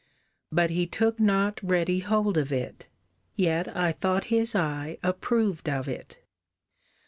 But he took not ready hold of it: yet I thought his eye approved of it.